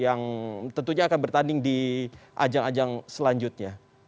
yang tentunya akan bertanding di ajang ajang selanjutnya